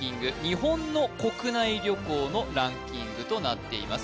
日本の国内旅行のランキングとなっています